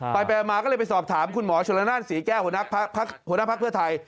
ไปมาก็เลยไปสอบถามคุณหมอชนละนานศรีแก้วหัวหน้าพักเพื่อไทย